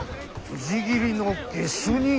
つじ斬りの下手人！？